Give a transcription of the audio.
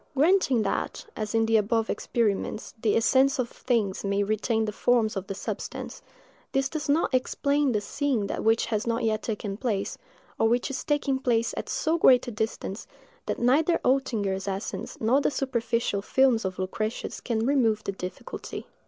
Granting that, as in the above experiments, the essence of things may retain the forms of the substance, this does not explain the seeing that which has not yet taken place, or which is taking place at so great a distance, that neither Oetinger's essence nor the superficial films of Lucretius can remove the difficulty.